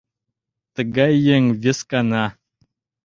Тыгай еҥ вескана